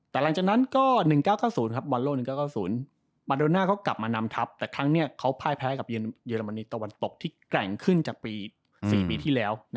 แต่หลังจากนั้นก็๑๙๙๐ครับบอลโลก๑๙๙๐มาโดน่าก็กลับมานำทัพแต่ครั้งนี้เขาพ่ายแพ้กับเยอรมนีตะวันตกที่แกร่งขึ้นจากปี๔ปีที่แล้ว